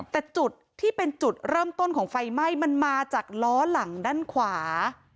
แต่จุดที่เป็นจุดเริ่มต้นของไฟไหม้มันมาจากล้อหลังด้านขวา